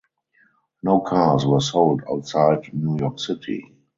No cars were sold outside New York City.